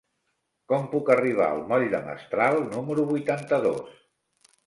Com puc arribar al moll de Mestral número vuitanta-dos?